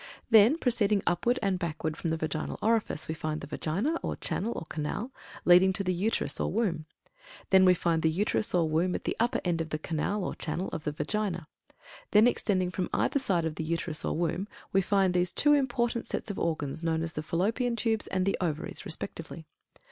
Then, proceeding upward and backward from the Vaginal Orifice, we find the Vagina, or channel or canal leading to the Uterus or Womb; then we find the Uterus or Womb at the upper end of the canal or channel of the Vagina. Then extending from either side of the Uterus or Womb we find those two important sets of organs known as the Fallopian Tubes, and the Ovaries, respectively.